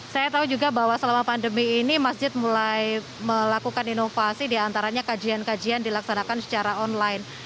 saya tahu juga bahwa selama pandemi ini masjid mulai melakukan inovasi diantaranya kajian kajian dilaksanakan secara online